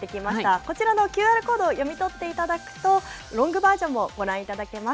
こちらのＱＲコードを読み取っていただくと、ロングバージョンもご覧いただけます。